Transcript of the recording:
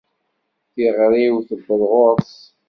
Tiɣri-w tewweḍ ɣur-s.